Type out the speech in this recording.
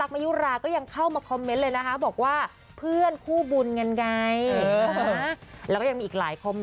แม่แอพพาซาอร์บอกว่าก็ฮอตทั้งคู่นี้ค่ะ